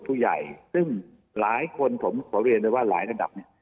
ภูมิใหญ่ซึ่งหลายคนเดี๋ยวก็ว่าหลายระดับ